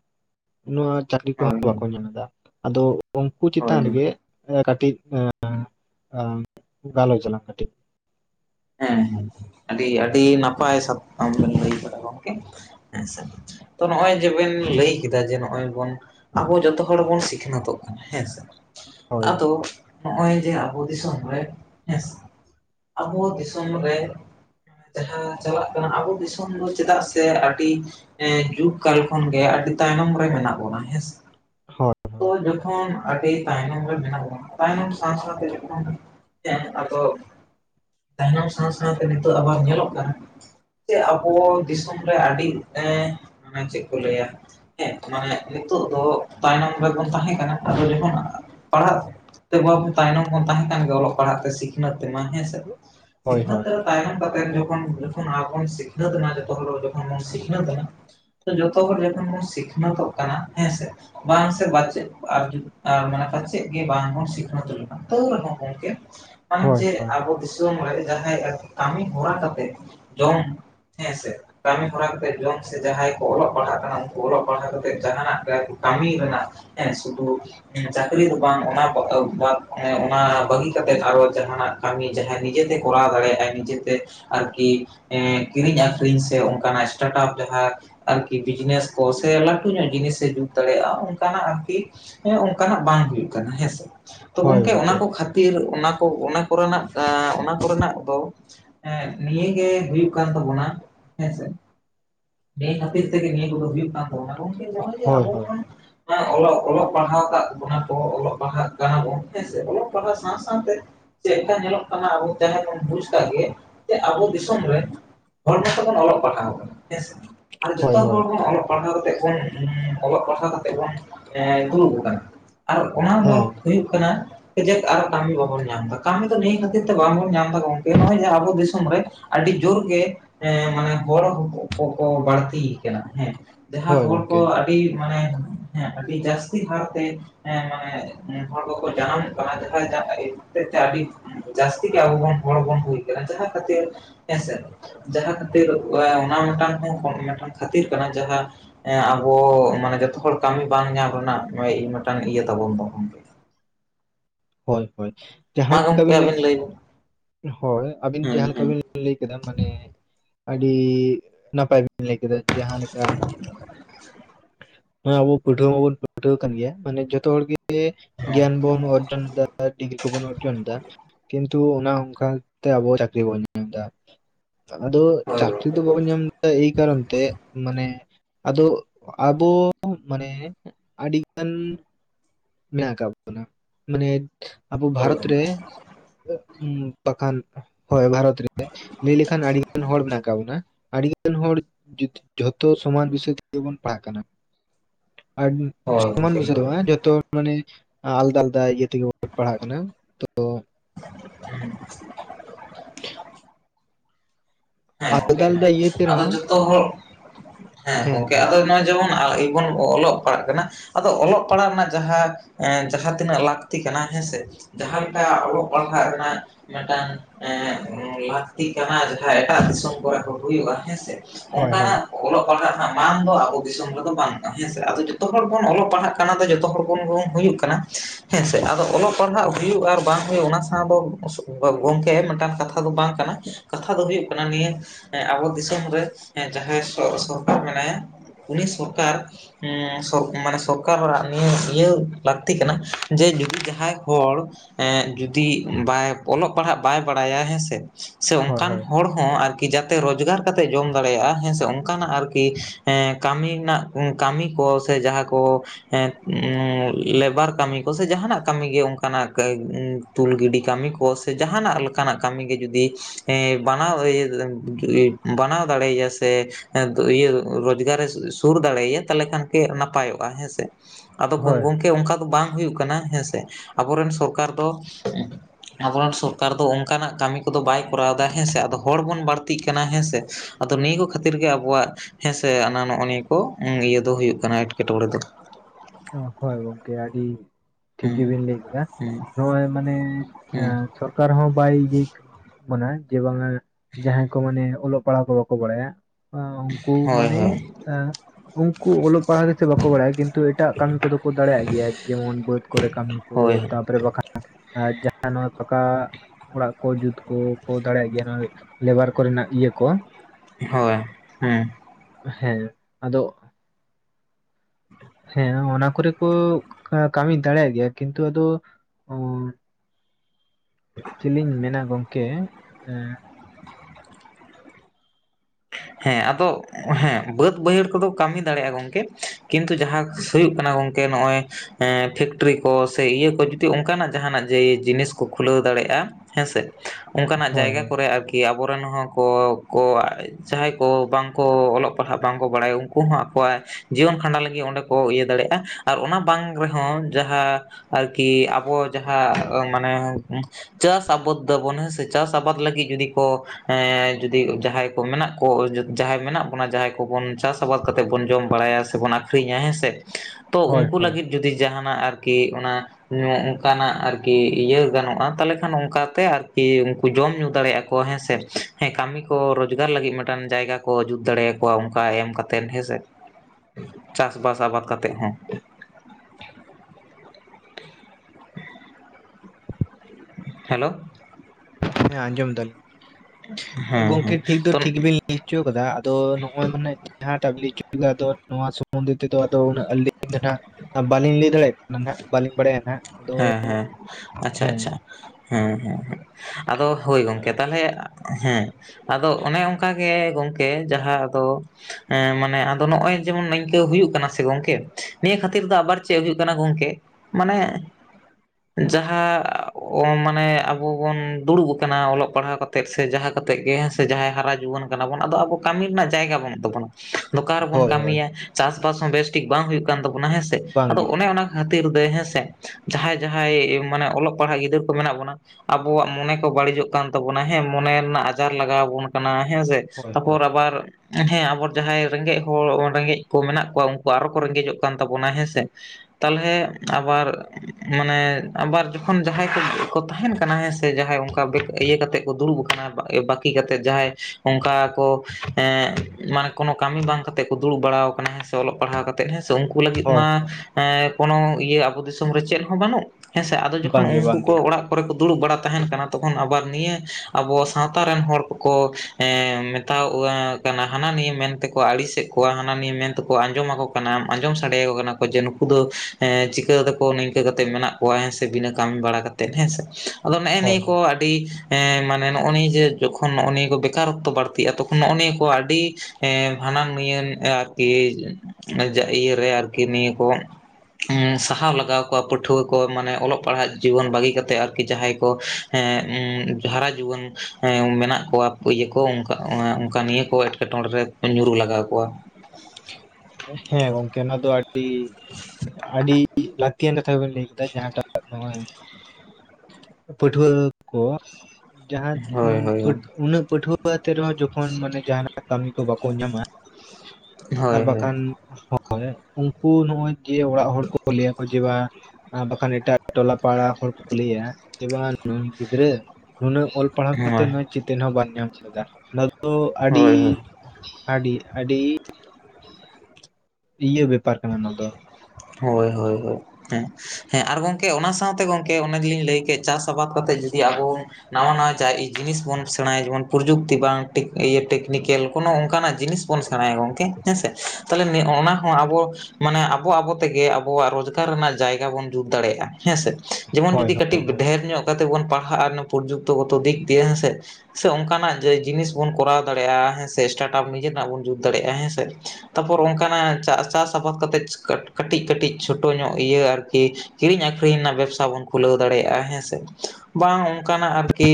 S2: ᱱᱚᱣᱟ ᱪᱟᱹᱠᱨᱤ
S1: ᱦᱳᱭ
S2: ᱠᱚᱦᱚᱸ
S1: ᱦᱳᱭ
S2: ᱵᱟᱠᱚ ᱧᱟᱢ ᱮᱫᱟ ᱟᱫᱚ ᱩᱱᱠᱩ
S1: ᱦᱳᱭ
S2: ᱪᱮᱛᱟᱱ ᱨᱮᱜᱮ ᱠᱟᱴᱤᱡ ᱮᱸ ᱮᱸ ᱟ ᱜᱟᱞᱚᱪ ᱱᱟ ᱠᱟᱹᱴᱤᱡ᱾
S1: ᱦᱮᱸ ᱦᱮᱸ ᱟᱹᱰᱤ ᱟᱹᱰᱤ ᱱᱟᱯᱟᱭ ᱥᱟᱛ ᱟᱢ ᱵᱮᱢ ᱞᱟᱹᱭ ᱵᱮᱱ ᱜᱚᱢᱠᱮ ᱦᱮᱸᱥᱮ᱾ ᱛᱚ ᱱᱚᱜᱼᱚᱭ ᱡᱮᱵᱮᱱ ᱞᱟᱹᱭ ᱠᱮᱫᱟ ᱡᱮ ᱱᱚᱜᱼᱚᱭ ᱵᱚᱱ ᱟᱵᱚ ᱡᱷᱚᱛᱚ ᱦᱚᱲ ᱵᱚᱱ ᱥᱤᱠᱷᱱᱟᱹᱛᱚᱜ ᱠᱟᱱᱟ ᱦᱮᱸᱥᱮ,
S2: ᱦᱳᱭ
S1: ᱟᱫᱚ ᱱᱚᱜᱼᱚᱭ ᱡᱮ ᱟᱵᱚ ᱫᱤᱥᱚᱢ ᱨᱮ ᱦᱮᱸ ᱟᱵᱚ ᱫᱤᱥᱚᱢ ᱫᱤᱥᱚᱢ ᱨᱮ ᱡᱟᱦᱟᱸ ᱪᱟᱞᱟᱜ ᱠᱟᱱᱟ, ᱟᱵᱚ ᱫᱤᱥᱚᱢ ᱫᱚ ᱪᱮᱫᱟᱜ ᱥᱮ ᱟᱹᱰᱤ ᱡᱩᱜᱽ ᱠᱟᱞ ᱠᱷᱚᱱᱜᱮ ᱟᱹᱰᱤ ᱛᱟᱭᱱᱚᱢ ᱨᱮ ᱢᱮᱱᱟᱜ ᱵᱚᱱᱟ, ᱦᱮᱸᱥᱮ?
S2: ᱦᱳᱭ
S1: ᱛᱚ ᱡᱚᱠᱷᱚᱱ ᱟᱹᱰᱤ ᱛᱟᱭᱱᱚᱢ ᱨᱮ ᱢᱮᱱᱟᱜ ᱵᱚᱱᱟ,, ᱛᱟᱭᱱᱚᱢ ᱥᱟᱶ ᱥᱟᱶᱛᱮ ᱟᱫᱚ ᱛᱟᱭᱱᱚᱢ ᱥᱟᱶ ᱥᱟᱶᱛᱮ ᱱᱤᱛᱚᱜ ᱟᱵᱟᱨ ᱧᱮᱞᱚᱜ ᱠᱟᱱᱟ ᱚ ᱟᱵᱚ ᱫᱤᱥᱚᱢ ᱨᱮ ᱟᱹᱰᱤ ᱢᱟᱱᱮ ᱪᱮᱫ ᱠᱚ ᱞᱟᱹᱭᱟ, ᱦᱮᱸ ᱢᱟᱱᱮ ᱱᱤᱛᱚᱜ ᱫᱚ ᱛᱟᱭᱱᱚᱢ ᱨᱮᱵᱚᱱ ᱛᱟᱦᱮᱸ ᱠᱟᱱᱟ, ᱡᱮᱢᱚᱱ ᱯᱟᱲᱦᱟᱜ ᱵᱟᱵ [inaudible] ᱦᱚᱸ ᱛᱟᱭᱱᱚᱢ ᱵᱚᱱ ᱛᱟᱦᱮᱸ ᱠᱟᱱ ᱜᱮᱭᱟ ᱚᱞᱚᱜ ᱯᱟᱲᱦᱟᱜ ᱛᱮ ᱥᱤᱠᱷᱱᱟᱹᱛ ᱛᱮᱢᱟ, ᱦᱮᱸ ᱥᱮ ᱾
S2: ᱦᱳᱭ
S1: ᱥᱤᱠᱷᱱᱟᱹᱛ
S2: ᱦᱳᱭ
S1: ᱛᱟᱭᱚᱢ ᱠᱟᱛᱮ ᱡᱚᱠᱷᱚᱱ ᱡᱚᱠᱷᱚᱱ ᱟᱚᱱ ᱥᱤᱠᱷᱱᱟᱹᱛ ᱡᱚᱛᱚ ᱦᱚᱲ ᱡᱚᱠᱷᱚᱱ ᱵᱚᱱ ᱥᱤᱠᱷᱱᱟᱹᱛ ᱮᱱᱟ ᱡᱚᱛᱚ ᱦᱚᱲ ᱡᱚᱠᱷᱚᱱ ᱵᱚᱱ ᱥᱤᱠᱷᱱᱟᱹᱛᱚᱜ ᱠᱟᱱᱟ ᱦᱮᱸᱥᱮ ᱾ ᱵᱟᱝ ᱥᱮ ᱵᱟᱪᱮᱫ ᱯᱟᱪᱮᱫ ᱟᱨ ᱢᱟᱱᱮ ᱯᱟᱪᱮᱫ ᱜᱮ ᱵᱟᱝᱵᱚᱱ ᱥᱤᱠᱷᱱᱟᱹᱛ ᱞᱮᱠᱟ ᱛᱚ ᱨᱮᱦᱚᱸ ᱜᱚᱡᱠᱮ
S2: [inaudible]
S1: ᱡᱮ
S2: ᱦᱳᱭ
S1: ᱟᱵᱚ ᱫᱤᱥᱚᱢ ᱨᱮ ᱡᱟᱦᱟᱸᱭ ᱠᱟᱹᱢᱤ ᱦᱚᱨᱟ ᱠᱟᱛᱮ ᱡᱚᱢ- ᱦᱮᱸ ᱥᱮ, ᱠᱟᱹᱢᱤ ᱦᱚᱨᱟ ᱠᱟᱛᱮᱜ ᱡᱚᱢ ᱥᱮ ᱡᱟᱦᱟᱸᱭ ᱠᱚ ᱚᱞᱚᱜ ᱯᱟᱲᱦᱟᱜ ᱠᱟᱱᱟ ᱩᱱᱠᱩ ᱚᱞᱚᱜ ᱯᱟᱲᱦᱟᱣ ᱠᱟᱛᱮᱫ ᱡᱟᱦᱟᱱᱟᱜ ᱜᱮ ᱠᱟᱹᱢᱤ ᱨᱮᱱᱟᱜ ᱦᱮᱸ ᱥᱩᱫᱩ ᱪᱟᱹᱠᱨᱤ ᱫᱚ ᱵᱟᱝ ᱚᱱᱟ ᱵᱟ ᱚᱱᱟ ᱵᱟᱹᱜᱤ ᱠᱟᱛᱮ ᱟᱨᱚ ᱡᱟᱦᱟᱱᱟᱜ ᱠᱟᱹᱢᱤ ᱱᱤᱡᱮᱛᱮ ᱠᱚᱨᱟᱣ ᱫᱟᱲᱮᱭᱟᱜ ᱟᱭ ᱱᱤᱡᱮᱛᱮ ᱾ ᱟᱨᱠᱤ ᱠᱤᱨᱤᱧ ᱟᱠᱷᱨᱤᱧ ᱥᱮ ᱚᱱᱠᱟᱱᱟᱜ ᱥᱴᱟᱴᱟᱯ ᱡᱟᱦᱟᱸ ᱟᱨᱠᱤ ᱵᱤᱡᱽᱱᱮᱥ ᱠᱚ, ᱥᱮ ᱞᱟᱹᱴᱩ ᱧᱚᱜ ᱡᱤᱱᱤᱥᱮ ᱡᱩᱛ ᱫᱟᱲᱮᱭᱟᱜᱼᱟ ᱚᱱᱠᱟᱱᱟᱜ ᱟᱨᱠᱤ ᱾ ᱦᱮᱸ ᱚᱱᱠᱟᱱᱟᱜ ᱵᱟᱝ ᱦᱩᱭᱩᱜ ᱠᱟᱱᱟ ᱦᱮᱸᱥᱮ ᱾ ᱛᱚ ᱜᱚᱝᱠᱮ ᱚᱱᱟ ᱠᱚ ᱠᱷᱟᱹᱛᱤᱨ ᱚᱱᱟ ᱠᱚ ᱚᱱᱟ ᱠᱚᱨᱮᱱᱟᱜ ᱚᱱᱟ ᱠᱚᱨᱮᱱᱟᱜ ᱫᱚ ᱱᱤᱭᱟᱹᱜ ᱜᱮ ᱦᱩᱭᱩᱜ ᱠᱟᱱ ᱛᱟᱵᱚᱱᱟ ᱦᱮᱸᱥᱮ ᱾ ᱱᱤᱭᱟᱹ ᱠᱷᱟᱹᱛᱤᱨ ᱛᱮᱜᱮ ᱱᱤᱭᱟᱹ ᱠᱚᱫᱚ ᱦᱩᱭᱩᱜ ᱠᱟᱱ ᱛᱟᱵᱚᱱᱟ ᱜᱚᱝᱠᱮ ᱡᱮ
S2: ᱦᱳᱭ
S1: ᱟᱵᱚ
S2: ᱦᱳᱭ
S1: ᱵᱚᱱ ᱚᱞᱚᱜ ᱚᱞᱚᱜ ᱯᱟᱲᱦᱟᱣ ᱠᱟᱜ ᱵᱚᱱᱟ ᱠᱚ, ᱚᱞᱚᱜ ᱯᱟᱲᱦᱟᱜ ᱠᱟᱱᱟ ᱵᱚᱱ ᱦᱮᱸᱥ ᱚᱞᱚᱜ ᱯᱟᱲᱦᱟᱣ ᱥᱟᱶ ᱥᱟᱶᱛᱮ ᱪᱮᱫ ᱞᱮᱠᱟ ᱧᱮᱞᱚᱜ ᱠᱟᱱᱟ, ᱟᱵᱚ ᱡᱟᱦᱟᱸ ᱵᱚᱱ ᱵᱩᱡᱽ ᱟᱠᱟᱫ ᱜᱮ ᱡᱮ ᱟᱵᱚ ᱫᱤᱥᱚᱢ ᱨᱮ ᱦᱚᱲ ᱠᱚᱚᱛ [inaudible] ᱵᱚᱱ ᱚᱞᱚᱜ ᱯᱟᱲᱦᱟᱣ ᱦᱮᱸᱥ ᱟᱨ ᱡᱚᱛᱚ
S2: ᱦᱳᱭ ᱦᱳᱭ
S1: ᱦᱚᱲ ᱵᱚᱱ ᱚᱞᱚᱜ ᱯᱟᱲᱦᱟᱜᱟᱣ ᱠᱟᱱᱟ [inaudible] ᱚ ᱯᱟᱲ ᱠᱟᱛᱮ ᱵ [inaudible] ᱚᱞᱚᱜ ᱯᱟᱲᱦᱟᱣ ᱠᱟᱛᱮ ᱵᱩᱱ ᱫᱩᱲᱩᱵ ᱟᱠᱟᱱᱟ, ᱟᱨ ᱚᱱᱟ ᱫᱚ
S2: ᱦᱮᱸ
S1: ᱦᱩᱭᱩᱜ ᱠᱟᱱᱟ, ᱡᱮᱫ ᱟᱨᱚ ᱠᱟᱹᱢᱤ ᱵᱟᱵᱚᱱ ᱧᱟᱢ ᱮᱫᱟ ᱠᱟᱢᱤ ᱫᱚ ᱱᱤᱭᱟᱹ ᱠᱷᱟᱹᱛᱤᱨ ᱛᱮ ᱵᱟᱝᱵᱚᱱ ᱧᱟᱢ ᱮᱫᱟ ᱾ ᱜᱚᱝᱠᱮ ᱱᱚᱜᱼᱚᱭ ᱡᱮ ᱟᱵᱚ ᱫᱤᱥᱚᱢ ᱨᱮ, ᱟᱹᱰᱤ ᱡᱳᱨ ᱜᱮ, ᱦᱮᱸ ᱢᱟᱱᱮ ᱦᱚᱲ ᱠᱚᱠᱚ ᱵᱟᱹᱲᱛᱤᱭ ᱠᱟᱱᱟ ᱦᱮᱸ ᱡᱟᱦᱟᱸ
S2: ᱦᱳᱭ
S1: ᱦᱚᱲ ᱠᱚ
S2: ᱜᱚᱝᱠᱮ
S1: ᱟᱹᱰᱤ ᱢᱟᱱᱮ ᱦᱮᱸ ᱟᱹᱰᱤ ᱡᱟᱹᱛᱤ ᱦᱟᱨᱛᱮ ᱦᱮᱸ ᱢᱟᱱᱮ ᱦᱚᱲ ᱠᱚᱠᱚ ᱡᱟᱱᱟᱢ ᱢᱚᱜ ᱠᱟᱱᱟ ᱡᱟᱦᱟᱸ ᱡᱟᱹᱥᱛᱤ ᱜᱮ ᱟᱵᱚ ᱵᱚᱱ ᱦᱚᱲ ᱵᱚᱱ ᱦᱩᱭ ᱠᱟᱱᱟ ᱡᱟᱦᱟᱸ ᱠᱷᱟᱹᱛᱤᱨ ᱦᱮᱸᱥᱮ ᱾ ᱡᱟᱦᱟᱸ ᱠᱷᱟᱹᱛᱤᱨ ᱚᱱᱟ ᱢᱤᱫᱴᱟᱝ ᱟᱝ ᱠᱷᱟᱹᱛᱤᱨ ᱠᱟᱱᱟ ᱡᱟᱦᱟᱸ ᱟᱵᱚ ᱢᱟᱱᱮ ᱡᱚᱛᱚ ᱦᱚᱲ ᱠᱟᱹᱢᱤ ᱵᱟᱝ ᱧᱟᱢ ᱨᱮᱱᱟᱜ ᱢᱤᱫᱴᱟᱝ ᱤᱭᱟᱹ ᱛᱟᱵᱚᱱ ᱫᱚ ᱾
S2: ᱦᱳᱭ ᱦᱳᱭ ᱡᱟᱦᱟᱸ
S1: ᱢᱟ
S2: ᱞᱮᱠᱟ [inaudible]
S1: ᱜᱚᱢᱠᱮ
S2: ᱵᱤᱱᱟᱹᱭ
S1: ᱟᱵᱤᱱ ᱞᱟᱹᱭ ᱵᱤᱱ
S2: ᱦᱳᱭ ᱟᱹᱵᱤᱱ
S1: ᱦᱩᱸ
S2: ᱡᱟᱦᱟᱸ ᱞᱮᱠᱟ
S1: ᱦᱩᱸ
S2: ᱵᱤᱱ ᱞᱟᱹᱭ ᱞᱟᱹᱭ ᱠᱮᱫᱟᱢ ᱢᱟᱱᱮ ᱟᱹᱰᱤ ᱱᱟᱯᱟᱭ ᱵᱤᱱ ᱞᱟᱹᱭ ᱠᱮᱫᱟ ᱡᱟᱦᱟᱸ ᱞᱮᱠᱟ, ᱟᱵᱚ ᱯᱟᱹᱴᱷᱩᱣᱟᱹ ᱢᱟᱵᱩᱱ ᱯᱟᱹᱴᱷᱩᱣᱟᱹ ᱠᱟᱱ ᱜᱮᱭᱟ, ᱢᱟᱱᱮ ᱡᱚᱛᱚ ᱦᱚᱲ ᱜᱮ ᱜᱮᱭᱟᱱ ᱵᱚᱱ ᱚᱨ ᱰᱤᱜᱽᱨᱤ ᱠᱚᱵᱚᱱ ᱚᱨᱡᱚᱱ ᱮᱫ ᱟ ᱠᱤᱱᱛᱩ ᱚᱱᱟ ᱚᱱᱠᱟᱛᱮ ᱟᱵᱚ ᱪᱟᱹᱠᱨᱤ ᱵᱚᱱ ᱧᱟᱢ ᱫᱟ ᱾ ᱟᱫᱚ
S1: ᱦᱳᱭ
S2: ᱪᱟᱹᱠᱨᱤ
S1: ᱜᱚᱢᱠᱮ
S2: ᱫᱚ
S1: ᱦᱳᱭ
S2: ᱵᱟᱵᱚᱱ ᱧᱟᱢ ᱮᱭ ᱠᱟᱨᱚᱱ ᱛᱮ, ᱢᱟᱱᱮ ᱟᱫᱚ ᱟᱵᱚ ᱢᱟᱱᱮ ᱟᱹᱰᱤ ᱜᱟᱱ ᱢᱮᱱᱟᱜ ᱟᱠᱟᱜᱫ ᱵᱚᱱᱟ ᱢᱟᱱᱮ ᱟᱵᱚ ᱵᱷᱟᱨᱚᱛ ᱨᱮ ᱵᱟᱠᱷᱟᱱ ᱦᱳᱭ ᱵᱷᱟᱨᱚᱛ ᱨᱮ ᱞᱟᱹᱭ ᱞᱮᱠᱷᱟᱱ ᱟᱹᱰᱤᱜᱟᱱ ᱦᱚᱲ ᱢᱮᱱᱟᱜ ᱟᱠᱟᱫ ᱵᱚᱱᱟ ᱾ ᱟᱹᱰᱤᱜᱟᱱ ᱦᱚᱲ ᱡᱷᱚᱛᱚ ᱥᱚᱢᱟᱱ ᱵᱤᱥᱚᱭ ᱛᱮᱜᱮ ᱵᱚᱱ ᱯᱟᱲᱦᱟᱜ ᱠᱟᱱᱟ ᱾ ᱟᱨ [inaudible]
S1: ᱦᱳᱭ
S2: ᱥᱚᱢᱟᱱ
S1: ᱜᱚᱢᱠᱮ
S2: ᱵᱤᱥᱚᱭ ᱫᱚ
S1: ᱦᱳᱭ
S2: ᱵᱟᱝ ᱡᱚᱛᱚ ᱢᱟᱱᱮ ᱟᱞᱫᱟ ᱟᱞᱫᱟ ᱤᱭᱟᱹ ᱛᱮᱜᱮ ᱵᱚᱱ ᱯᱟᱲᱦᱟᱜ ᱠᱟᱱᱟ ᱾ [unintelligible]
S1: [unintelligible] ᱦᱮᱸ ᱜᱚᱢᱠᱮ
S2: ᱟᱞᱫᱟ ᱟᱞᱫᱟ ᱤᱭᱟᱹ ᱛᱮ
S1: ᱟᱫᱚ
S2: ᱨᱮᱦᱚᱸ
S1: ᱡᱚᱛᱚ ᱦᱚᱲ ᱦᱮᱸ ᱜᱚᱝᱠᱮ ᱟᱫᱚ ᱱᱚᱣᱟ ᱡᱮ ᱵᱚᱱ ᱚᱞᱚᱜ ᱯᱟᱲᱦᱟᱜ ᱠᱟᱱᱟ ᱾ ᱟᱫᱚ ᱚᱞᱚᱜ ᱯᱟᱲᱦᱟᱜ ᱨᱮᱱᱟᱜ ᱡᱟᱦᱟᱸ ᱮᱸᱜ ᱡᱟᱦᱟᱸ ᱛᱤᱱᱟᱹᱜ ᱞᱟᱹᱠᱛᱤ ᱠᱟᱱᱟ ᱦᱮᱸ ᱥᱮ ᱡᱟᱦᱟᱸ ᱞᱮᱠᱟ ᱚᱞᱚᱜ ᱯᱟᱲᱦᱟᱜ ᱨᱮᱱᱟᱜ ᱢᱮᱴᱟᱝ ᱮᱸᱜ ᱞᱟᱹᱠᱛᱤ ᱠᱟᱱᱟ [unintelligible] ᱮᱴᱟᱜ ᱫᱤᱥᱚᱢ ᱠᱚ ᱨᱮᱜ ᱠᱚ ᱦᱩᱭᱩᱜ-ᱟ ᱦᱮᱸ ᱥᱮ
S2: ᱦᱳᱭ ᱦᱳᱭ
S1: ᱚᱝᱠᱟ ᱚᱞᱚᱜ ᱯᱟᱲᱦᱟᱜ ᱨᱮᱱᱟᱜ ᱢᱟᱱ ᱫᱚ ᱟᱵᱚ ᱫᱤᱥᱚᱢ ᱨᱮ ᱫᱚ ᱵᱟᱹᱱᱩᱜ-ᱟ ᱦᱮᱸ ᱥᱮ ᱟᱫᱚ ᱡᱚᱛᱚ ᱦᱚᱲ ᱵᱚᱱ ᱚᱞᱚᱜ ᱯᱟᱲᱦᱟᱜ ᱠᱟᱱᱟ ᱫᱚ ᱡᱚᱛᱚ ᱦᱚᱲ ᱵᱚᱱ [inaudible] ᱦᱩᱭᱩᱜ ᱠᱟᱱᱟ ᱦᱮᱸ ᱥᱮ ᱟᱫᱚ ᱚᱞᱚᱜ ᱯᱟᱲᱦᱟᱜ ᱦᱩᱭᱩᱜ ᱟᱨ ᱵᱟᱝ ᱦᱩᱭᱩᱜ ᱚᱱᱟ ᱥᱟᱣ ᱫᱚ [inaudible] ᱜᱚ ᱜᱚᱝᱠᱮ ᱢᱮᱴᱟᱱ ᱠᱟᱛᱷᱟ ᱫᱚ ᱵᱟᱝ ᱠᱟᱱᱟ ᱠᱟᱛᱷᱟ ᱫᱚ ᱦᱩᱭᱩᱜ ᱱᱤᱭᱟᱹ ᱮᱸᱜ ᱟᱵᱚ ᱫᱤᱥᱚᱢ ᱨᱮ ᱮᱸᱜ ᱡᱟᱦᱟᱸᱭ ᱥᱚ ᱥᱚᱨᱠᱟᱨ ᱢᱮᱱᱟᱭᱟ ᱩᱱᱤ ᱥᱚᱨᱠᱟᱨ ᱮᱸᱜ ᱥᱚ ᱢᱟᱱᱮ ᱥᱚᱨᱠᱟᱨ ᱦᱚᱲᱟᱜ ᱱᱤᱭᱟᱹ ᱤᱭᱟᱹ ᱞᱟᱹᱠᱛᱤ ᱠᱟᱱᱟ ᱡᱮ ᱡᱩᱫᱤ ᱡᱟᱦᱟᱸᱭ ᱦᱚᱲ ᱮᱸᱜ ᱡᱩᱫᱤ ᱵᱟᱭ ᱚᱞᱚᱜ ᱯᱟᱲᱦᱟᱜ ᱵᱟᱭ ᱵᱟᱲᱟᱭᱟ ᱦᱮᱸ ᱥᱮ, ᱥᱮ
S2: ᱦᱳᱭ
S1: ᱚᱝᱠᱟᱱ
S2: ᱦᱳᱭ
S1: ᱦᱚᱲ ᱦᱚᱸ ᱟᱨᱠᱤ ᱡᱟᱛᱮ ᱨᱚᱡᱽᱜᱟᱨ ᱠᱟᱛᱮ ᱡᱚᱢ ᱫᱟᱲᱮᱭᱟᱜ-ᱟ ᱦᱮᱸ ᱥᱮ ᱚᱝᱠᱟ ᱱᱟᱜ ᱟᱨᱠᱤ ᱠᱟᱹᱢᱤ ᱱᱟᱜ ᱠᱟᱹᱢᱤ ᱠᱚ ᱥᱮ ᱡᱟᱦᱟᱸ ᱠᱚ ᱦᱮᱸ ᱞᱮᱵᱟᱨ ᱠᱟᱹᱢᱤ ᱠᱚ ᱥᱮ ᱡᱟᱦᱟᱱᱟᱜ ᱠᱟᱹᱢᱤ ᱜᱮ ᱚᱝᱠᱟᱱᱟᱜ ᱛᱩᱞ ᱜᱤᱰᱤ ᱠᱟᱹᱢᱤ ᱠᱚ ᱥᱮ ᱡᱟᱦᱟᱸᱱᱟᱜ ᱞᱮᱠᱟᱱᱟᱜ ᱠᱟᱹᱢᱤ ᱜᱮ ᱡᱩᱫᱤ [inaudible] ᱵᱟᱱᱟᱣ ᱫᱟᱲᱮᱭᱟ ᱥᱮ ᱮᱸᱫ ᱤᱭᱟᱹ ᱨᱚᱡᱽᱜᱟᱨ ᱨᱮ ᱥᱩᱨ ᱥᱩᱲ ᱫᱟᱲᱮᱭᱟᱭᱟ ᱛᱟᱦᱞᱮ ᱠᱷᱟᱱ ᱜᱮ ᱱᱟᱯᱟᱭᱚᱜ-ᱟ ᱦᱮᱸ ᱥᱮ᱾ ᱟᱫᱚ ᱠᱟᱝ
S2: ᱦᱳᱭ
S1: ᱜᱚᱝᱠᱮ ᱚᱝᱠᱟ ᱫᱚ ᱵᱟᱝ ᱦᱩᱭᱩᱜ ᱠᱟᱱᱟ ᱦᱮᱸ ᱥᱮ ᱟᱵᱚ ᱨᱮᱱ ᱥᱚᱨᱠᱟᱨ ᱫᱚ ᱟᱵᱚ ᱨᱮᱱ ᱥᱚᱨᱠᱟᱨ ᱫᱚ ᱚᱝᱠᱟᱱᱟᱜ ᱠᱟᱹᱢᱤ ᱠᱚ ᱫᱚ ᱵᱟᱭ ᱠᱚᱨᱟᱣ ᱫᱟᱭ᱾ ᱦᱮᱸ ᱥᱮ ᱟᱫᱚ ᱦᱚᱲ ᱵᱚᱱ ᱵᱟᱹᱲᱛᱤᱜ ᱠᱟᱱᱟ ᱦᱮᱸ ᱥᱮ ᱟᱫᱚ ᱱᱤᱭᱟᱹ ᱠᱚ ᱠᱷᱟᱹᱛᱤᱨ ᱜᱮ ᱟᱵᱚᱣᱟᱜ ᱾ ᱦᱮᱸ ᱥᱮ ᱟᱱᱟ ᱱᱚᱜ-ᱚ ᱱᱤᱭᱟᱹ ᱠᱚ ᱩᱸ ᱤᱭᱟᱹ ᱫᱚ ᱦᱩᱭᱩᱜ ᱠᱟᱱᱟ ᱮᱸᱴᱠᱮᱴᱚᱲᱮ ᱫᱚ᱾
S2: ᱦᱳᱭ ᱜᱚᱝᱠᱮ ᱟᱹᱰᱤ ᱴᱷᱤᱠ
S1: ᱦᱩᱸ
S2: ᱜᱮ ᱵᱤᱱ ᱞᱟᱹᱭ ᱠᱮᱫᱟ
S1: ᱦᱩᱸ
S2: ᱱᱚᱜ-ᱚᱭ ᱢᱟᱱᱮ
S1: ᱦᱩᱸ
S2: ᱥᱚᱨᱠᱟᱨ ᱦᱚᱸ ᱵᱟᱭ [inaudible] ᱵᱚᱱᱟᱭ ᱡᱮ ᱵᱟᱝᱟ ᱡᱟᱦᱟᱸᱭ ᱠᱚ ᱢᱟᱱᱮ ᱚᱞᱚᱜ ᱯᱟᱲᱦᱟᱣ ᱠᱚ ᱵᱟᱠᱚ ᱵᱟᱲᱟᱭᱟ, ᱠᱩ
S1: ᱦᱳᱭ
S2: ᱢᱟᱱᱮ
S1: ᱦᱳᱭ
S2: ᱩᱝᱠᱩ ᱚᱞᱚᱜ ᱯᱟᱲᱦᱟᱣ ᱜᱮ ᱥᱮ ᱵᱟᱠᱚ ᱵᱟᱲᱟᱭᱟ ᱠᱤᱱᱛᱩ ᱮᱴᱟᱜ ᱠᱟᱱ ᱠᱚ ᱫᱚ ᱠᱚ ᱫᱟᱲᱮᱭᱟᱜ ᱜᱮᱭᱟ ᱡᱮᱢᱚᱱ ᱵᱟᱹᱛ ᱠᱚᱨᱮ ᱠᱟᱹᱢᱤ ᱠᱚ
S1: ᱦᱳᱭ
S2: ᱛᱟᱯᱚᱨᱮ ᱵᱟᱠᱷᱟᱱ ᱟᱨ ᱡᱟᱦᱟᱸᱱ ᱱᱚᱣᱟ [inaudible] ᱚᱲᱟᱜ ᱠᱚ ᱡᱩᱛ ᱠᱚ ᱫᱟᱲᱮᱭᱟᱜ ᱜᱮᱭᱟ ᱦᱟᱸᱜ ᱞᱮᱵᱷᱟᱨ ᱠᱚᱨᱮᱱᱟᱜ ᱤᱭᱟᱹ ᱠᱚ -
S1: ᱦᱳᱭ ᱦᱮᱸ,
S2: ᱦᱮᱸ ᱟᱫᱚ ᱦᱮᱸ ᱚᱱᱟ ᱠᱚ ᱨᱮ ᱠᱚ ᱠᱟᱹᱢᱤ ᱫᱟᱲᱮᱭᱟᱜ ᱜᱮᱭᱟ ᱠᱤᱱᱛᱩ ᱟᱫᱚ
S1: [unintelligible]
S2: ᱪᱮᱞᱤᱧ ᱢᱮᱱᱟ ᱜᱚᱝᱠᱮ ᱮᱸᱜ
S1: ᱦᱮᱸ ᱟᱫᱚ ᱦᱮᱸ ᱵᱟᱹᱫ ᱵᱟᱹᱭᱦᱟᱹᱲ ᱠᱚ ᱫᱚ ᱠᱟᱹᱢᱤ ᱫᱟᱲᱮᱭᱟᱜ-ᱟ ᱜᱚᱝᱠᱮ ᱠᱤᱱᱛᱩ ᱡᱟᱦᱟᱸ ᱦᱩᱭᱩᱜ ᱠᱟᱱᱟ ᱜᱚᱝᱠᱮ ᱱᱚᱜ-ᱚᱭ ᱦᱮᱸ ᱯᱷᱮᱠᱴᱨᱤ ᱠᱚ ᱥᱮ ᱤᱭᱟᱹ ᱠᱚ ᱡᱩᱫᱤ ᱚᱝᱠᱟᱱᱟᱜ ᱡᱟᱦᱟᱱᱟᱜ ᱡᱮ ᱡᱤᱱᱤᱥ ᱠᱚ ᱠᱷᱩᱞᱟᱹᱣ ᱫᱟᱲᱮᱜ-ᱟ, ᱦᱮᱸ ᱥᱮ ᱚᱝᱠᱟᱱᱟᱜ
S2: ᱦᱳᱭ
S1: ᱡᱟᱭᱜᱟ
S2: ᱦᱳᱭ
S1: ᱠᱚᱨᱮ ᱟᱨᱠᱤ ᱟᱵᱚ ᱨᱮᱱ ᱦᱚᱸ ᱠᱚ ᱠᱚ ᱡᱟᱦᱟᱸᱭ ᱠᱚ ᱵᱟᱝ ᱠᱚ ᱚᱞᱚᱜ ᱯᱟᱲᱦᱟᱜ ᱵᱟᱝ ᱠᱚ ᱵᱟᱲᱟᱭᱟ ᱩᱱᱠᱩ ᱦᱚᱸ ᱟᱠᱚᱣᱟᱜ ᱡᱤᱭᱚᱱ ᱠᱷᱟᱸᱰᱟ ᱞᱟᱹᱜᱤᱫ ᱚᱸᱰᱮ ᱠᱚ ᱤᱭᱟᱹ ᱫᱟᱲᱮᱜᱼᱟ᱾ ᱟᱨ ᱚᱱᱟ ᱵᱟᱝ ᱨᱮ ᱦᱚᱸ ᱡᱟᱦᱟᱸ ᱟᱨᱠᱤ ᱟᱵᱚ ᱡᱟᱦᱟᱸ ᱢᱟᱱᱮ ᱪᱟᱥ ᱟᱵᱚᱫᱽ ᱫᱟᱵᱚᱱ ᱦᱮᱸ ᱥᱮ ᱪᱟᱥ ᱟᱵᱟᱫᱽ ᱞᱟᱹᱜᱤᱫ ᱡᱩᱫᱤ ᱠᱚ ᱮᱻ ᱡᱩᱫᱤ ᱡᱟᱦᱟᱸᱭ ᱠᱚ ᱢᱮᱱᱟᱜ ᱠᱚ ᱡᱟᱦᱟᱸᱭ ᱢᱮᱱᱟᱜ ᱵᱚᱱᱟ ᱡᱟᱦᱟᱸᱭ ᱠᱚᱵᱚᱱ ᱪᱟᱥ ᱟᱵᱟᱫᱽ ᱠᱟᱛᱮᱫ ᱵᱚᱱ ᱡᱚᱢ ᱵᱟᱲᱟᱭᱟ ᱥᱮ ᱵᱚᱱ ᱟᱹᱠᱷᱨᱤᱧᱟ ᱦᱮᱸ ᱥᱮ ᱛᱚ
S2: ᱦᱳᱭ
S1: ᱩᱝᱠᱩ
S2: ᱦᱳᱭ
S1: ᱞᱟᱹᱜᱤᱫ ᱡᱩᱫᱤ ᱡᱟᱦᱟᱱᱟᱜ ᱟᱨᱠᱤ ᱚᱱᱟ ᱧᱩ ᱚᱝᱠᱟᱱᱟᱜ ᱟᱨᱠᱤ ᱤᱭᱟᱹ ᱜᱟᱱᱚᱜ-ᱟ ᱛᱟᱞᱦᱮ ᱠᱷᱟᱱ ᱚᱝᱠᱟ ᱛᱮ ᱟᱨᱠᱤ ᱩᱝᱠᱩ ᱡᱚᱢ ᱧᱩ ᱫᱟᱲᱮᱭᱟᱜ-ᱟ ᱠᱚ ᱦᱮᱸ ᱥᱮ ᱦᱮ ᱠᱟᱹᱢᱤ ᱠᱚ ᱨᱚᱡ ᱨᱚᱡᱽᱜᱟᱨ ᱞᱟᱹᱜᱤᱫ ᱢᱮᱴᱟᱝ ᱡᱟᱭᱜᱟ ᱠᱚ ᱡᱩᱛ ᱫᱟᱲᱮᱭᱟ ᱠᱚᱣᱟ ᱚᱝᱠᱟ ᱮᱢ ᱠᱟᱛᱮᱱ ᱦᱮᱸ ᱥᱮ᱾ ᱪᱟᱥ-ᱵᱟᱥ ᱟᱵᱟᱫᱽ ᱠᱟᱛᱮᱜ ᱦᱚᱸ ᱦᱮᱞᱳ
S2: ᱦᱮᱸ ᱟᱸᱡᱚᱢ ᱫᱟᱹᱧ
S1: ᱦᱮᱸ
S2: ᱜᱚᱝᱠᱮ
S1: ᱦᱮᱸ
S2: ᱴᱷᱤᱠ ᱫᱚ
S1: ᱛᱚ
S2: ᱴᱷᱤᱠ ᱵᱤᱱ ᱞᱟᱹᱭ ᱚᱪᱚ ᱠᱟᱫᱟ ᱟᱫᱚ ᱱᱚᱜ-ᱚᱭ ᱢᱟᱱᱮ ᱡᱟᱦᱟ ᱴᱟᱜ ᱵᱤᱱ ᱞᱟᱹᱭ ᱚᱪᱚ [inaudible] ᱟᱫᱚ ᱱᱚᱣᱟ ᱥᱚᱢᱢᱚᱱᱫᱷᱮ ᱛᱮ ᱫᱚ ᱟᱫᱚ ᱩᱱᱟᱜ ᱟᱹᱞᱤᱧ ᱫᱚ ᱱᱟᱜ ᱵᱟᱞᱤᱧ ᱞᱟᱹᱭ ᱫᱟᱲᱮᱜ ᱱᱟᱜᱟᱜ ᱵᱟᱞᱤᱝ ᱵᱟᱲᱟᱭᱟ ᱦᱟᱸᱜ᱾
S1: ᱦᱮᱸ ᱦᱮᱸ ᱟᱪᱪᱷᱟ ᱟᱪᱪᱷᱟ ᱦᱮᱸ ᱦᱮᱸ ᱦᱮᱸ ᱟᱫᱚ ᱦᱳᱭ ᱜᱚᱝᱠᱮ ᱛᱟᱦᱞᱮ ᱦᱮᱸ ᱟᱫᱚ ᱚᱱᱮ ᱚᱝᱠᱟᱜᱮ ᱜᱚᱝᱠᱮ ᱡᱟᱦᱟᱸ ᱟᱫᱚ ᱮᱸ ᱢᱟᱱᱮ ᱟᱫᱚ ᱱᱚᱜᱼᱚᱭ ᱡᱮᱢᱚᱱ ᱤᱱᱠᱟᱹ ᱦᱩᱭᱩᱜ ᱠᱟᱱᱟ ᱥᱮ ᱜᱚᱝᱠᱮ ᱱᱤᱭᱟᱹ ᱠᱷᱟᱹᱛᱤᱨ ᱫᱚ ᱟᱵᱟᱨ ᱪᱮᱜ ᱦᱩᱭᱩᱜ ᱠᱟᱱᱟ ᱜᱚᱝᱠᱮ ᱢᱟᱱᱮ ᱡᱟᱦᱟᱸ ᱢᱟᱱᱮ ᱟᱵᱚ ᱵᱚᱱ ᱫᱩᱲᱩᱵ ᱠᱟᱱᱟ ᱚᱞᱚᱜ ᱯᱟᱲᱦᱟᱣ ᱠᱟᱛᱮ ᱛᱮᱫ ᱥᱮ ᱡᱟᱦᱟᱸ ᱠᱟᱛᱮᱫ ᱜᱮᱸ ᱦᱮᱸᱥᱮ ᱡᱟᱦᱟᱸᱭ ᱦᱟᱨᱟ ᱡᱩᱣᱟᱹᱱ ᱠᱟᱱᱟ ᱵᱚᱱ ᱟᱫᱚ ᱟᱵᱚ ᱠᱟᱹᱢᱤ ᱨᱮᱱᱟᱜ ᱡᱟᱭᱜᱟ ᱵᱟᱹᱱᱩᱜ ᱛᱟᱵᱚᱱᱟ ᱫᱚᱠᱟᱱ ᱨᱮᱵᱚᱱ
S2: ᱦᱳᱭ ᱦᱳᱭ
S1: ᱠᱟᱹᱢᱤᱭᱟ ᱪᱟᱥᱵᱟᱥ ᱦᱚᱸ ᱵᱮᱥ ᱴᱷᱤᱠ ᱵᱟᱝ ᱦᱳᱭᱳᱜ ᱠᱟᱱ ᱛᱟᱵᱚᱱᱟ ᱦᱮᱸᱥᱮ ᱟᱫᱚ
S2: ᱵᱟᱝᱜᱮ
S1: ᱚᱱᱮ ᱚᱱᱟ ᱠᱷᱟᱹᱛᱤᱨ ᱛᱮ ᱦᱮᱸᱥᱮ ᱡᱟᱦᱟᱸᱭ ᱡᱟᱦᱟᱸᱭ ᱢᱟᱱᱮ ᱚᱞᱚᱜ ᱯᱟᱲᱦᱟᱜ ᱜᱤᱫᱽᱟᱹᱨ ᱠᱚ ᱢᱮᱱᱟᱜ ᱵᱚᱱᱟ ᱟᱵᱚᱣᱟᱜ ᱢᱚᱱᱮ ᱠᱚ ᱵᱟᱹᱲᱤᱡᱚᱜ ᱠᱟᱱ ᱛᱟᱵᱩᱱᱟ ᱦᱮᱸ ᱢᱚᱱᱮ ᱨᱮᱱᱟᱜ ᱟᱡᱟᱨ ᱞᱟᱜᱟᱣ ᱟᱵᱚᱱ ᱠᱟᱱᱟ ᱦᱮᱸᱥᱮ
S2: ᱦᱳᱭ ᱦᱳᱭ
S1: ᱛᱟᱯᱚᱨ ᱟᱵᱟᱨ ᱦᱮᱸ ᱟᱵᱚᱨ ᱡᱟᱦᱟᱸᱭ ᱨᱮᱸᱜᱮᱡ ᱦᱚᱲ ᱨᱮᱸᱜᱮᱡ ᱠᱚ ᱢᱮᱱᱟᱜ ᱠᱚᱣᱟ ᱩᱝᱠᱳ ᱟᱨᱚ ᱠᱚ ᱨᱮᱸᱜᱮᱡᱚᱜ ᱠᱟᱱ ᱛᱟᱵᱚᱱᱟ ᱦᱮᱸᱥᱮ ᱛᱟᱞᱦᱮ ᱟᱵᱟᱨ ᱢᱟᱱᱮ ᱟᱵᱟᱨ ᱡᱚᱠᱷᱚᱱ ᱡᱟᱦᱟᱸᱭ ᱠᱚᱠᱚ ᱛᱟᱸᱦᱮᱱ ᱠᱟᱱᱟ ᱦᱮᱸ ᱥᱮ ᱡᱟᱦᱟᱸᱭ ᱚᱱᱠᱟ ᱵᱮ ᱤᱭᱟᱹ ᱠᱟᱛᱮ ᱠᱚ ᱫᱩᱲᱩᱵ ᱠᱟᱱᱟ ᱵᱟᱹᱠᱤ ᱠᱟᱛᱮ ᱡᱟᱦᱟᱸᱭ ᱚᱝᱠᱟ ᱠᱚ ᱮᱜ ᱢᱟᱱᱮ ᱠᱳᱱᱳ ᱠᱟᱹᱢᱤ ᱵᱟᱝ ᱠᱟᱛᱮ ᱠᱚ ᱫᱩᱲᱩᱵ ᱵᱟᱲᱟᱣ ᱠᱟᱱᱟ ᱦᱮᱸ ᱥᱮᱸ ᱚᱞᱚᱜ ᱯᱟᱲᱦᱟᱣ ᱠᱟ ᱛᱮᱫ ᱦᱮᱸ ᱥᱮᱸ ᱩᱱᱠᱩ ᱞᱟᱹᱜᱤᱫ
S2: ᱦᱳᱭ
S1: ᱢᱟ ᱠᱳᱱᱳ ᱤᱭᱟᱹ ᱟᱵᱚ ᱫᱤᱥᱚᱢ ᱨᱮ ᱪᱮᱫ ᱦᱚᱸ ᱵᱟᱱᱩᱜᱸᱸ ᱦᱮᱸ ᱥᱮ ᱟᱫᱚ ᱡᱚᱠᱷᱚᱱ
S2: ᱵᱟᱝᱜᱮ
S1: ᱩᱝᱠᱩ ᱠᱚ
S2: ᱵᱟᱝᱜᱮ
S1: ᱚᱲᱟᱜ ᱠᱚᱨᱮ ᱠᱚ ᱫᱩᱲᱩᱵ ᱵᱟᱲᱟ ᱛᱟᱸᱦᱮᱱ ᱠᱟᱱᱟ ᱛᱚᱠᱷᱚᱱ ᱟᱵᱟᱨ ᱱᱤᱭᱟᱹ ᱟᱵᱚ ᱥᱟᱶᱛᱟ ᱨᱮᱱ ᱦᱚᱲ ᱠᱚ ᱠᱚ ᱮ ᱢᱮᱛᱟᱣ ᱠᱟᱱᱟ ᱦᱟᱱᱟ ᱱᱤᱭᱟᱹ ᱢᱮᱱᱛᱮᱠᱚ ᱟᱹᱲᱤᱥᱮᱜ ᱠᱚᱣᱟ ᱦᱟᱱᱟ ᱱᱤᱭᱟᱹ ᱢᱮᱱᱛᱮᱠᱚ ᱟᱸᱡᱚᱢ ᱟᱠᱚ ᱠᱟᱱᱟ ᱟᱸᱡᱚᱢ ᱥᱟᱸᱰᱮ ᱟᱠᱚ ᱠᱟᱱᱟ ᱠᱚ ᱡᱮ ᱱᱩᱠᱩ ᱫᱚ ᱪᱤᱠᱟᱹᱼᱼ ᱠᱚ ᱱᱤᱝᱠᱟᱹ ᱠᱟᱛᱮ ᱢᱮᱱᱟᱜ ᱠᱚᱣᱟ ᱦᱮᱸ ᱥᱮ ᱵᱤᱱᱟᱹ ᱠᱟᱢᱤ ᱵᱟᱲᱟ ᱠᱟᱛᱮᱫ ᱦᱮᱸ ᱥᱮ ᱟᱫᱚ ᱱᱮᱜᱼᱮ
S2: ᱦᱳᱭ
S1: ᱱᱤᱭᱟᱹ ᱠᱚ
S2: ᱦᱳᱭ
S1: ᱟᱹᱰᱤ ᱮᱸ ᱢᱟᱱᱮ ᱱᱚᱜᱼᱚ ᱱᱤᱭᱟᱹ ᱡᱮ ᱡᱚᱠᱷᱚᱱ ᱱᱚᱜᱼᱚ ᱱᱤᱭᱟᱹ ᱠᱚ ᱵᱮᱠᱟᱨᱚᱛᱛᱚ ᱵᱟᱲᱛᱤᱜᱼᱟ ᱛᱚᱠᱷᱚᱱ ᱱᱚᱜᱼᱚ ᱱᱤᱭᱟᱹ ᱠᱚ ᱟᱰᱤ ᱮᱸ ᱵᱷᱟᱱᱟᱱ ᱱᱤᱭᱟᱹ ᱟᱨᱠᱤ ᱤᱭᱟᱹᱨᱮ ᱟᱨᱠᱤ ᱱᱤᱭᱟᱹ ᱠᱚ ᱥᱟᱦᱟᱣ ᱞᱟᱜ ᱞᱟᱜᱟᱣ ᱟᱠᱚᱣᱟ ᱯᱟᱹᱴᱷᱩᱣᱟᱹ ᱠᱚ ᱢᱟᱱᱮ ᱚᱞᱚᱜ ᱯᱟᱲᱦᱟᱜ ᱡᱤᱵᱚᱱ ᱵᱟᱜᱤ ᱠᱟᱛᱮᱜ ᱟᱨᱠᱤ ᱡᱟᱦᱟᱸᱭ ᱠᱚ ᱮᱸ ᱩᱸ ᱦᱟᱨᱟ ᱡᱩᱣᱟᱹᱱ ᱮᱸ ᱢᱮᱱᱟᱜ ᱠᱚᱣᱟ ᱤᱭᱟᱹ ᱠᱚ ᱚᱝᱠᱟ ᱚᱱᱠᱟ ᱱᱤᱭᱟᱹ ᱠᱚ ᱮᱴᱠᱮᱴᱚᱬᱮ ᱨᱮ ᱧᱩᱨᱩ ᱞᱟᱜᱟᱣ ᱟᱠᱚᱣᱟ᱾
S2: ᱦᱮᱸ ᱜᱚᱝᱠᱮ ᱚᱱᱟ ᱫᱚ ᱟᱰᱤ ᱟᱰᱤ ᱞᱟᱹᱠ ᱛᱤᱭᱟᱱ ᱠᱟᱛᱷᱟ ᱜᱮ ᱵᱮᱱ ᱞᱟᱹᱭ ᱠᱮᱫᱟ ᱡᱟᱦᱟᱸᱴᱟᱜ ᱱᱚᱜᱼᱚᱭ ᱯᱟᱹᱴᱷᱩᱣᱟᱹ ᱠᱚ ᱡᱟᱦᱟᱸ
S1: ᱦᱳᱭ ᱦᱳᱭ
S2: ᱩᱱᱟᱹᱜ ᱯᱟᱹᱴᱷᱩᱣᱟᱹ ᱟᱹ ᱟᱛᱮ ᱨᱮᱦᱚᱸ ᱡᱚᱠᱷᱚᱱ ᱢᱟᱱᱮ ᱡᱟᱦᱟᱱᱟᱜ ᱠᱟᱹᱢᱤ ᱠᱚ ᱵᱟᱠᱚ ᱧᱟᱢᱟ᱾ ᱟᱨ
S1: ᱦᱳᱭ
S2: ᱵᱟᱠᱷᱟᱱ ᱦᱚᱭ ᱩᱱᱠᱩ ᱱᱚᱜᱚᱭ ᱡᱮ ᱚᱲᱟᱜ ᱦᱚᱲ ᱠᱚ ᱞᱟᱹᱭᱟᱠᱚ ᱡᱮ ᱵᱟᱝ ᱟᱸ ᱵᱟᱠᱷᱟᱱ ᱮᱴᱟᱜ ᱴᱚᱞᱟ ᱯᱟᱲᱟ ᱦᱚᱲ ᱠᱚ ᱞᱟᱹᱭᱟ, ᱡᱮ ᱵᱟ ᱱᱩᱭ ᱜᱤᱫᱽᱨᱟᱹ ᱱᱩᱱᱟᱹᱜ ᱚᱞ ᱯᱟᱲᱦᱟᱣ ᱠᱟᱛᱮ
S1: ᱦᱳᱭ
S2: ᱱᱚᱜᱚᱭ ᱪᱮᱛᱮᱱ ᱦᱚᱸ ᱵᱟᱧ ᱧᱟᱢ ᱞᱮᱫᱟ ᱱᱚᱣᱟ ᱫᱚ ᱟᱹᱰᱤ
S1: ᱦᱳᱭ ᱦᱳᱭ
S2: ᱟᱰᱤ ᱟᱰᱤ ᱤᱭᱟᱹ ᱵᱮᱯᱟᱨ ᱠᱟᱱᱟ ᱱᱚᱣᱟ ᱫᱚ ᱾
S1: ᱦᱳᱭ ᱦᱳᱭ ᱦᱳᱭ ᱾ ᱦᱮᱸ ᱦᱮᱸ ᱟᱨ ᱜᱚᱝᱠᱮ ᱚᱱᱟ ᱥᱟᱶᱛᱮ ᱜᱚᱝᱠᱮ ᱚᱱᱟ ᱜᱮᱞᱤᱧ ᱞᱟᱹᱭ ᱠᱮᱜ ᱪᱟᱥ ᱟᱵᱟᱫᱽ ᱠᱟᱛᱮᱫ ᱡᱩᱫᱤ ᱟᱵᱚ, ᱱᱟᱣᱟ ᱱᱟᱣᱟ ᱡᱟᱤᱡ ᱡᱤᱱᱤᱥ ᱵᱚᱱ ᱥᱮᱸᱬᱟᱭᱟ ᱡᱮᱢᱚᱱ ᱯᱨᱚᱡᱩᱠᱛᱤ ᱵᱟᱝ ᱴᱮᱠ ᱤᱭᱟᱹ ᱴᱮᱠᱱᱤᱠᱮᱞ ᱠᱳᱱᱳ ᱚᱱᱠᱟᱱᱟᱜ ᱡᱤᱱᱤᱥ, ᱵᱚᱱ ᱥᱮᱸᱬᱟᱭᱟ ᱜᱚᱝᱠᱮ ᱦᱮᱸᱥᱮ ᱛᱟᱦᱚᱞᱮ ᱱᱮ ᱚᱱᱟ ᱦᱚᱸ ᱟᱵᱚ ᱢᱟᱱᱮ ᱟᱵᱚ ᱟᱵᱚ, ᱛᱮᱜᱮ ᱟᱵᱚᱣᱟᱜ ᱨᱚᱡᱽᱜᱟᱨ ᱨᱮᱱᱟᱜ ᱡᱟᱭᱜᱟ ᱵᱚᱱ ᱡᱩᱛ ᱫᱟᱲᱮᱭᱟᱜᱼᱟ, ᱦᱮᱸᱥᱮ ᱡᱮᱢᱚᱱ
S2: ᱦᱳᱭ
S1: ᱡᱩᱫᱤ ᱠᱟᱹᱴᱤᱡ ᱰᱷᱮᱨ ᱧᱚᱜ ᱠᱟᱛᱮ ᱵᱚᱱ ᱯᱟᱲᱦᱟᱜᱼᱟ ᱟᱨᱦᱚ ᱯᱨᱚᱡᱩᱠᱛᱤ ᱜᱚᱛᱚ ᱫᱤᱠ ᱫᱤᱭᱮ ᱦᱮᱸᱥᱮ? ᱥᱮ ᱚᱱᱠᱟᱱᱟᱜ ᱡᱟᱹᱭ ᱡᱤᱱᱤᱥ ᱵᱚᱱ ᱠᱚᱨᱟᱣ ᱫᱟᱲᱮᱭᱟᱜᱼᱟ ᱦᱮᱸ ᱥᱮ ᱥᱴᱮᱴᱟᱯ ᱱᱤᱡᱮ ᱨᱮᱱᱟᱜ ᱵᱩᱱ ᱡᱩᱛ ᱫᱟᱲᱮᱭᱟᱜᱼᱟ ᱦᱮᱸ ᱥᱮ? ᱛᱟᱯᱚᱨ ᱚᱝᱠᱟᱱᱟᱜ ᱪᱟ ᱪᱟᱥ ᱟᱵᱟᱫᱽ ᱠᱟᱛᱮᱜ, ᱠᱟᱹᱴᱤᱡ ᱠᱟᱹᱴᱤᱡ ᱪᱷᱳᱴᱳ ᱧᱚᱜ ᱤᱭᱟᱹ ᱟᱨᱠᱤ ᱠᱤᱨᱤᱧ ᱟᱠᱷᱨᱤᱧ ᱨᱮᱱᱟᱜ ᱵᱮᱵᱽᱥᱟ ᱵᱚᱱ ᱠᱷᱩᱞᱟᱹᱣ ᱫᱟᱲᱮᱭᱟᱜᱼᱟ ᱦᱮᱸ ᱥᱮ᱾ ᱵᱟᱝ ᱚᱝᱠᱟᱱᱟᱜ ᱟᱨᱠᱤ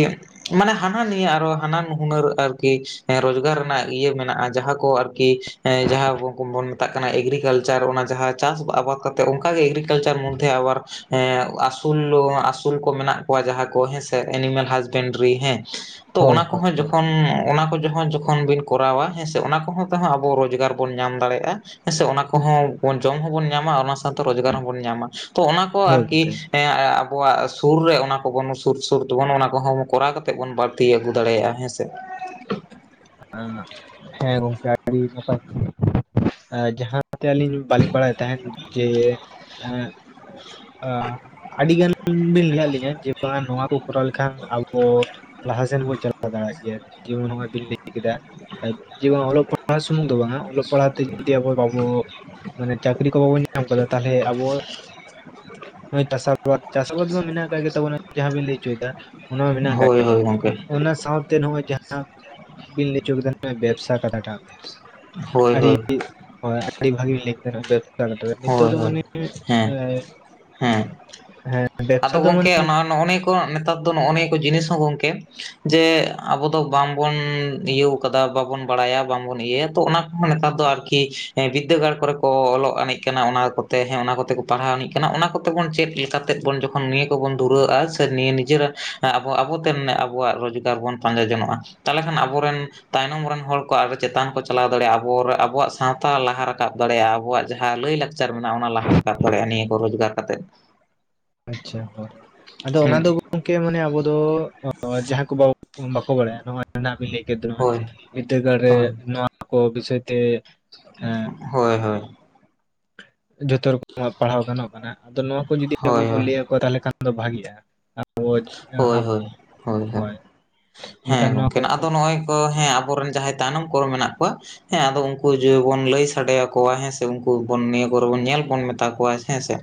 S1: ᱢᱟᱱᱮ ᱦᱟᱱᱟ ᱱᱤᱭᱟᱹ ᱟᱨᱚ ᱦᱟᱱᱟ ᱦᱩᱱᱟᱹᱨ ᱟᱨᱠᱤ, ᱦᱮᱸ ᱨᱳᱡᱽᱜᱟᱨ ᱨᱮᱱᱟᱜ ᱤᱭᱟᱹ ᱢᱮᱱᱟᱜᱼᱟ, ᱡᱟᱦᱟᱸ ᱠᱚ ᱟᱨᱠᱤ ᱡᱟᱦᱟᱸ ᱠᱚ ᱠᱚ ᱵᱚᱱ ᱢᱮᱛᱟᱜ ᱠᱟᱱᱟ ᱮᱜᱽᱨᱤᱠᱟᱞᱪᱟᱨ ᱚᱱᱟ ᱡᱟᱦᱟᱸ ᱾ ᱪᱟᱥ ᱟᱵᱟᱫᱽ ᱠᱟᱛᱮ ᱚᱝᱠᱟᱜᱮ ᱮᱜᱽᱨᱤᱠᱟᱞᱪᱟᱨ ᱢᱚᱫᱽᱫᱷᱮ ᱟᱵᱟᱨ ᱮᱸ ᱟᱹᱥᱩᱞ ᱟᱹᱥᱩᱞ ᱠᱚ ᱢᱮᱱᱟᱜ ᱠᱚᱣᱟ ᱡᱟᱦᱟᱸ ᱠᱚ ᱦᱮᱸᱥᱮ ᱮᱱᱤᱢᱮᱞ ᱦᱟᱥᱵᱮᱱᱰᱨᱤ ᱦᱮᱸ ᱾ ᱛᱚ
S2: ᱦᱳᱭ
S1: ᱚᱱᱟ
S2: ᱦᱳᱭ
S1: ᱠᱚᱦᱚᱸ
S2: ᱦᱳᱭ
S1: ᱡᱚᱠᱷᱚᱱ ᱚᱱᱟ ᱠᱚ ᱡᱚᱦᱠᱷᱚ ᱡᱚᱠᱷᱚᱱ ᱵᱤᱱ ᱠᱚᱨᱟᱣᱟ ᱦᱮᱸ ᱥᱮ ᱚᱱᱟ ᱠᱚᱦᱚᱸ ᱛᱮᱦᱚᱸ ᱟᱵᱚ ᱨᱚᱡᱽᱜᱟᱨ ᱵᱚᱱ ᱧᱟᱢ ᱫᱟᱲᱮᱭᱟᱜᱼᱟ, ᱦᱮᱸ ᱥᱮ, ᱚᱱᱟ ᱠᱚᱦᱚᱸ ᱵᱚᱱ ᱡᱚᱢ ᱦᱚᱸᱵᱚᱱ ᱧᱟᱢᱟ ᱚᱱᱟ ᱥᱟᱶᱛᱮ ᱨᱳᱡᱽᱜᱟᱨ ᱦᱚᱸᱵᱚᱱ ᱧᱟᱢᱟ, ᱛᱚ ᱚᱱᱟ ᱠᱚ
S2: ᱦᱳᱭ ᱜᱚᱝᱠᱮ
S1: ᱟᱨᱠᱤ, ᱦᱮᱸ ᱟᱵᱚᱣᱟᱜ ᱥᱩᱨ ᱨᱮ ᱚᱱᱟ ᱠᱚᱵᱚᱱ ᱥᱩᱨ ᱥᱩᱨ ᱛᱮᱵᱚᱱ ᱚᱱᱟ ᱠᱚᱦᱚᱸ ᱠᱚᱨᱟᱣ ᱠᱟᱛᱮ ᱵᱚᱱ ᱵᱟ ᱛᱤ ᱟᱹᱜᱩ ᱫᱟᱲᱮᱭᱟᱜᱼᱟ ᱦᱮᱸᱥᱮ,
S2: ᱦᱮᱸ ᱜᱚᱝᱠᱮ ᱟᱹᱰᱤ ᱱᱟᱯᱟᱭ [inaudible] ᱡᱟᱦᱟᱸ, ᱚᱱᱟᱛᱮ ᱟᱹᱞᱤᱧ ᱵᱟᱹᱞᱤᱧ ᱵᱟᱲᱟᱭ ᱛᱟᱦᱮᱱ ᱡᱮ, ᱟᱹᱰᱤ ᱜᱟᱱ ᱵᱤᱱ ᱞᱟᱭᱟᱫ ᱞᱤᱧᱟ ᱡᱮ ᱱᱚᱣᱟ ᱠᱚ ᱠᱚᱨᱟᱣ ᱞᱮᱠᱷᱟᱱ ᱟᱵᱚ ᱞᱟᱦᱟᱥᱮᱱ ᱵᱚᱱ ᱪᱟᱞᱟᱣ ᱫᱟᱲᱮᱭᱟᱜ ᱜᱮᱭᱟ ᱾ᱡᱮᱢᱚᱱ ᱱᱜᱚᱭ ᱫᱤᱞᱞᱤ, ᱠᱮᱫᱟ ᱡᱮᱢᱚᱱ ᱚᱞᱚᱜ ᱯᱟᱲᱦᱟᱜ ᱥᱩᱢᱩᱝ ᱫᱚ ᱵᱟᱝᱟ, ᱚᱞᱚᱜ ᱯᱟᱲᱦᱟᱜ ᱛᱮ ᱡᱩᱫᱤ ᱟᱵᱚ ᱵᱟᱵᱚ ᱢᱟᱱᱮ ᱪᱟᱹᱠᱨᱤ ᱠᱚ ᱵᱟᱵᱚᱱ ᱧᱟᱢ ᱟᱠᱟᱫᱟ ᱛᱟᱦᱚᱞᱮ ᱟᱵᱚ ᱱᱚ ᱪᱟᱥ ᱟᱵᱟᱫ ᱪᱟᱥ ᱟᱵᱟᱫ ᱢᱟ ᱢᱮᱱᱟᱜ ᱟᱠᱟᱜ ᱜᱮ ᱛᱵᱚᱱᱟ ᱡᱟᱦᱟᱸ ᱵᱤᱱ ᱞᱟᱹᱭ ᱦᱚᱪᱚ ᱭᱮᱫᱟ, ᱚᱱᱟ ᱢᱟ ᱢᱮᱱᱟᱜ ᱟᱠᱟᱫ ᱜᱮ
S1: ᱦᱳᱭ ᱦᱳᱭ
S2: ᱛᱵᱚᱱᱟ
S1: ᱜᱚᱢᱠᱮ
S2: ᱚᱱᱟ ᱥᱟᱶᱛᱮ ᱱᱚᱜᱚᱭ ᱡᱟᱦᱟᱸ ᱵᱤᱞ ᱞᱪᱚ ᱠᱮᱫᱟ ᱵᱮᱵᱥᱟ ᱠᱟᱛᱷᱟ ᱴᱟᱜ
S1: ᱦᱳᱭ
S2: ᱟᱹᱰᱤ
S1: ᱦᱳᱭ
S2: ᱦᱭ ᱟᱹᱰᱤ ᱵᱷᱟᱜᱤ ᱞᱮ ᱵᱮ, [inaudible]
S1: ᱦᱳᱭ ᱦᱳᱭ ᱦᱮᱸ ᱾ ᱦᱮᱸ
S2: ᱦᱮᱸ ᱵᱮᱵᱽᱥᱟ
S1: ᱟᱫᱚ
S2: ᱫᱚ
S1: ᱜᱚᱝᱠᱮ
S2: ᱢᱟᱱᱮ
S1: ᱱᱚᱜ ᱱᱤᱭᱟᱹ ᱠᱚ ᱱᱮᱛᱟᱨ ᱫᱚ ᱱᱚᱜᱼᱚ ᱱᱤᱭᱟᱹ ᱠᱚ ᱡᱤᱱᱤᱥ ᱦᱚᱸ ᱜᱚᱝᱠᱮ ᱡᱮ ᱟᱵᱚ ᱫᱚ ᱵᱟᱝᱵᱚᱱ ᱤᱭᱟᱹᱣ ᱵᱟᱵᱚᱱ ᱵᱟᱲᱟᱭᱟ ᱵᱟᱝᱵᱚᱱ ᱤᱭᱟᱹᱭᱟ ᱛᱚ ᱚᱱᱟ ᱠᱚᱦᱚᱸ ᱱᱮᱛᱟᱨ ᱫᱚ ᱟᱨᱠᱤ ᱵᱤᱫᱽᱫᱟᱹᱜᱟᱲ ᱠᱚᱨᱮ ᱠᱚ ᱚᱞᱚᱜ ᱟᱱᱤᱡ ᱠᱟᱱᱟ ᱚᱱᱟ ᱠᱚᱛᱮ ᱦᱮᱸ ᱚᱱᱟ ᱠᱚᱛᱮ ᱠᱚ ᱯᱟᱲᱦᱟᱣᱱᱤᱡ ᱠᱟᱱᱟ ᱚᱱᱟ ᱠᱚᱛᱮ ᱵᱚᱱ ᱪᱮᱫᱛᱮᱫ ᱵᱚᱱ ᱡᱚᱠᱷᱚᱱ ᱱᱤᱭᱟᱹ ᱠᱚᱵᱚᱱ ᱫᱩᱨᱟᱹᱜᱼᱟ ᱥᱮ ᱱᱤᱭᱟᱹ ᱱᱤᱡᱮᱨ ᱟᱵᱚ ᱟᱵᱚᱛᱮ ᱟᱵᱚᱣᱟᱜ ᱨᱳᱡᱽᱜᱟᱨ ᱵᱚᱱ ᱯᱟᱸᱡᱟ ᱡᱚᱱᱚᱜᱼᱟ᱾ ᱛᱟᱦᱚᱞᱮ ᱠᱷᱟᱱ ᱟᱵᱚᱨᱮᱱ ᱛᱟᱭᱱᱚᱢ ᱨᱮᱱ ᱦᱚᱲ ᱠᱚ ᱟᱨᱚ ᱪᱮᱛᱟᱱ ᱠᱚ ᱪᱟᱞᱟᱣ ᱫᱟᱲᱮᱭᱟᱜᱼᱟ ᱟᱵᱚ ᱟᱵᱚᱣᱟᱜ ᱥᱟᱶᱛᱟ ᱞᱟᱦᱟ ᱨᱟᱠᱟᱵ ᱾ ᱫᱟᱲᱮᱭᱟᱜᱼᱟ ᱟᱵᱚᱣᱟᱜ ᱡᱟᱦᱟᱸ ᱡᱟᱦᱟᱸ ᱞᱟᱹᱭᱼᱞᱟᱠᱪᱟᱨ ᱢᱮᱱᱟᱜᱼᱟ ᱚᱱᱟ ᱞᱟᱦᱟ ᱨᱟᱠᱟᱵ ᱫᱟᱲᱮᱭᱟᱜᱼᱟ ᱱᱤᱭᱟᱹ ᱠᱚ ᱨᱳᱡᱽᱜᱟᱨ ᱠᱟᱛᱮᱜ ᱾
S2: ᱟᱪᱪᱷᱟ ᱦᱳᱭ ᱟᱫᱚ ᱚᱱᱟ ᱫᱚ ᱜᱚᱝᱠᱮ ᱢᱟᱱᱮ ᱟᱵᱚ ᱫᱚ ᱡᱟᱦᱟᱸ ᱠᱚ ᱵᱟᱵᱚ ᱵᱟᱠᱚ ᱵᱟᱲᱟᱭᱟ, ᱱᱚᱭᱵᱤᱱ ᱞᱟᱹᱭ ᱠᱮᱫ ᱫᱚ ᱱᱚᱭ
S1: ᱦᱳᱭ
S2: ᱵᱤᱫᱽᱫᱟᱹᱜᱟᱲ ᱨᱮ
S1: ᱦᱳᱭ
S2: ᱱᱚᱣᱟ ᱠᱚ ᱵᱤᱥᱚᱭ ᱛᱮ ᱮᱸ
S1: ᱦᱳᱭ ᱦᱳᱭ
S2: ᱡᱷᱚᱛᱚ ᱨᱚᱠᱚᱢᱟᱜ ᱯᱟᱲᱦᱟᱣ ᱜᱟᱱᱚᱜ ᱠᱟᱱᱟ ᱟᱫᱚ ᱱᱚᱣᱟ ᱠᱚ ᱡᱚᱫᱤ ᱟᱵᱚ
S1: ᱦᱳᱭ ᱦᱳᱭ
S2: ᱵᱚᱱ ᱞᱟᱹᱭᱟ ᱠᱚᱣᱟ ᱛᱟᱦᱚᱞᱮ ᱠᱷᱟᱱ ᱫᱚ ᱵᱷᱟᱜᱤᱜᱼᱟ᱾ ᱟᱵᱚ
S1: ᱦᱳᱭ
S2: ᱦᱟᱯ
S1: ᱦᱳᱭ ᱦᱳᱭ ᱚᱱᱠᱟ ᱦᱮᱸ
S2: ᱮᱱᱠᱷᱟᱱ ᱱᱚᱣᱟ
S1: ᱜᱚᱝᱠᱮ
S2: ᱠᱚ
S1: ᱟᱫᱚ ᱱᱚᱜᱼᱚᱭ ᱠᱚ ᱦᱮᱸ ᱟᱵᱚᱨᱮᱱ ᱡᱟᱦᱟᱸᱭ ᱛᱟᱭᱱᱚᱢ ᱠᱚᱨᱮ ᱢᱮᱱᱟᱜ ᱠᱚᱣᱟ ᱦᱮᱸ ᱟᱫᱚ ᱩᱱᱠᱩ ᱡᱩᱫᱤ ᱵᱚᱱ ᱞᱟᱹᱭ ᱥᱟᱰᱮ ᱟᱠᱚᱣᱟ ᱦᱮᱸ ᱥᱮ ᱩᱱᱠᱩ ᱱᱤᱭᱟᱹ ᱠᱚᱨᱮ ᱵᱚᱱ ᱧᱮᱞ ᱵᱚᱱ ᱢᱮᱛᱟ ᱠᱚᱣᱟ ᱦᱮᱸ ᱥᱮ